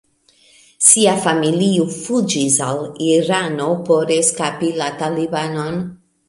Sia familio fuĝis al Irano por eskapi la Talibanon.